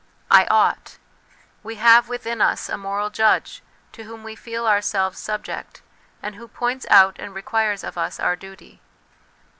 ' I ought' we have within us a moral judge, to whom we feel ourselves subject, and who points out and requires of us our duty.